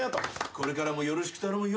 これからもよろしく頼むよ。